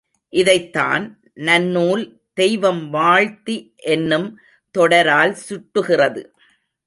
இதைத்தான், நன்னூல், தெய்வம் வாழ்த்தி என்னும் தொடரால் சுட்டுகிறது.